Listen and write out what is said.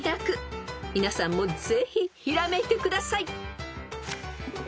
［皆さんもぜひひらめいてください］